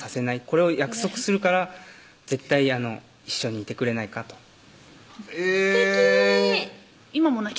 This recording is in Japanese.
「これを約束するから絶対一緒にいてくれないか」とえぇすてき